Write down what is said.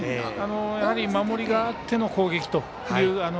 やはり守りがあっての攻撃という。